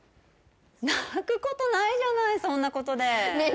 泣くことないじゃないそんなことでねえ